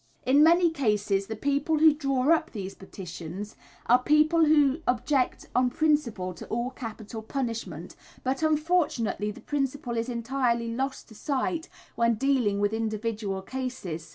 In many cases the people who draw up these petitions are people who object on principle to all capital punishment, but unfortunately the principle is entirely lost to sight when dealing with individual cases.